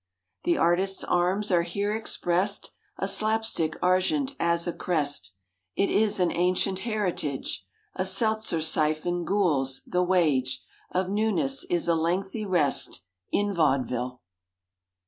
The artist's arms are here expressed: A slapstick argent as a crest (It is an ancient heritage), A seltzer siphon gules—the wage Of newness is a lengthy rest In vaudeville.